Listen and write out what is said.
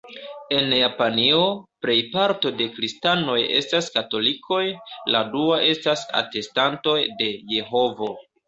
En Japanio, plejparto de Kristanoj estas Katolikoj, la dua estas Atestantoj de Jehovo.